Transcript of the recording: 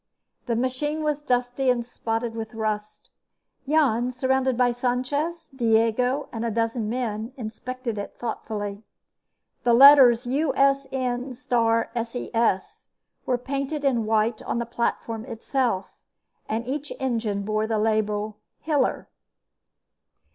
The machine was dusty and spotted with rust, Jan, surrounded by Sanchez, Diego and a dozen men, inspected it thoughtfully. The letters USN*SES were painted in white on the platform itself, and each engine bore the label "Hiller."